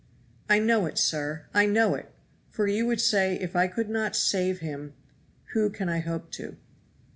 "I know it, sir; I know it; for you would say, 'If I could not save him who can I hope to?'"